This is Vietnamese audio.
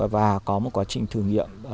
và có một quá trình thử nghiệm